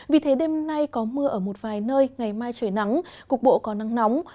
vì thế đêm nay có mưa ở một vài nơi ngày mai trời nắng cục bộ có nắng nóng